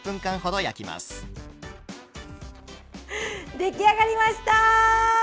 出来上がりました！